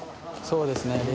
そうですね。